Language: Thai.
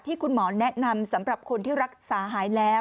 คุณหมอแนะนำสำหรับคนที่รักษาหายแล้ว